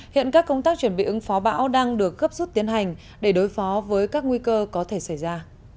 hiện các công tác chuẩn bị ứng phó bão đang được gấp rút tiến hành để đối phó với các nguy cơ có thể xảy ra